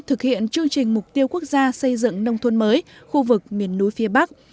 thực hiện chương trình mục tiêu quốc gia xây dựng nông thôn mới khu vực miền núi phía bắc